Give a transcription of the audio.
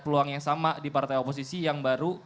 peluang yang sama di partai oposisi yang baru